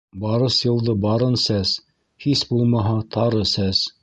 Барыс йылды барын сәс, һис булмаһа, тары сәс.